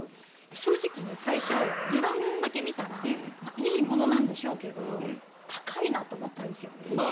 正直、最初値段だけ見たらいいものなんでしょうけど高いなと思ったんですよね。